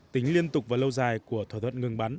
tính liên tục và lâu dài của thỏa thuận ngừng bắn